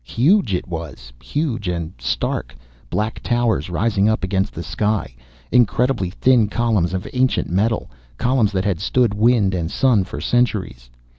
Huge it was, huge and stark, black towers rising up against the sky, incredibly thin columns of ancient metal, columns that had stood wind and sun for centuries.